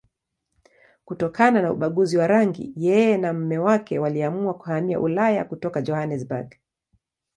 Kutokana na ubaguzi wa rangi, yeye na mume wake waliamua kuhamia Ulaya kutoka Johannesburg.